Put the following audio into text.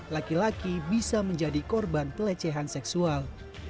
laki laki bisa menjadi korban pelecehan seksual